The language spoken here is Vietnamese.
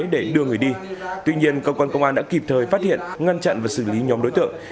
để đưa người đi tuy nhiên cơ quan công an đã kịp thời phát hiện ngăn chặn và xử lý nhóm đối tượng